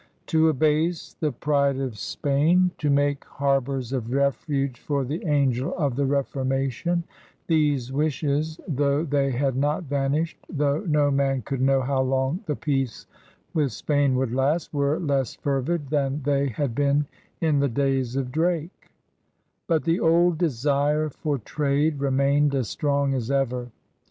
To abase the pride of Spain, 8 PIONEERS OF THE OLD SOUTH to make harbors of refuge for the angel of the Ref ormatioii — these wishes, though they had not vanished, though no man could know how long the peace with Spain would last, were less fervid than they had been in the days of Drake* But the old desire for trade remained as strong as ever.